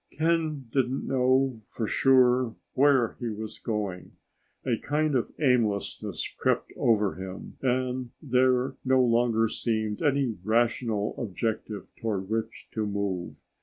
Ken didn't know for sure where he was going. A kind of aimlessness crept over him and there no longer seemed any rational objective toward which to move.